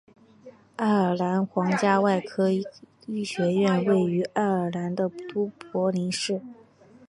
爱尔兰皇家外科医学院位于爱尔兰的都柏林市。